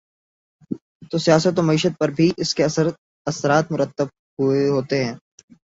تو سیاست ومعیشت پر بھی اس کے اثرات مرتب ہوتے ہیں۔